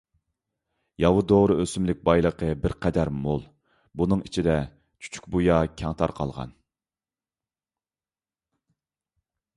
ياۋا دورا ئۆسۈملۈك بايلىقى بىرقەدەر مول، بۇنىڭ ئىچىدە چۈچۈكبۇيا كەڭ تارقالغان.